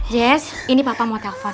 jazz ini papa mau telepon